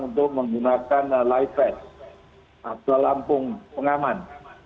untuk menggunakan life vest atau lampung pengaman